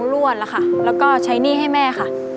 โรคแม่